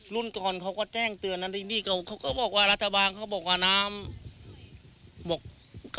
รุ่นก่อนเขาก็แจ้งเตือนนั้นที่นี่เขาก็บอกว่ารัฐบาลเขาบอกว่าน้ำบอก